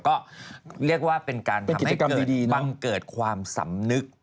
ก็เรียกว่าเป็นการทำให้เกิดบังเกิดความสำนึก